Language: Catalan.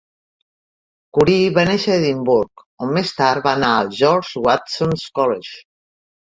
Currie va néixer a Edimburg, on més tard va anar al George Watson's College.